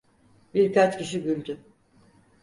Birkaç kişi güldü.